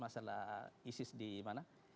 masalah isis di mana